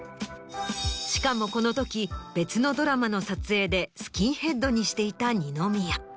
しかもこのとき別のドラマの撮影でスキンヘッドにしていた二宮。